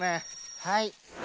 はい。